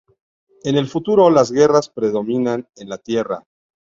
En el futuro, las guerras predominan en la Tierra.